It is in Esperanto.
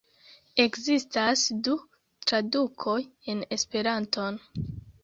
Ekzistas du tradukoj en Esperanton.